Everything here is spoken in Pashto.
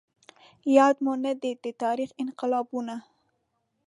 ياد مو نه دي د تاريخ انقلابونه